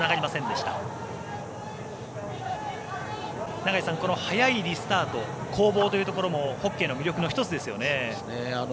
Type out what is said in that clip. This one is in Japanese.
永井さん、早いリスタート攻防というところもホッケーの魅力の１つですよね。